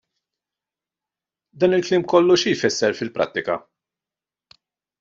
Dan il-kliem kollu xi jfisser fil-prattika?